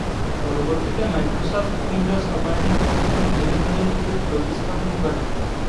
পরবর্তীতে Microsoft Windows operating system ধীরে ধীরে এটিকে প্রতিস্থাপন করে।